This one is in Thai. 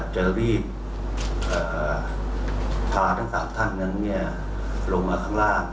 จะรีบพาทั้ง๓ท่านนั้นลงมาข้างล่าง